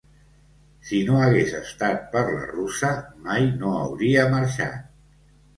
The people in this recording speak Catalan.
Si no hagués estat per la russa mai no hauria marxat.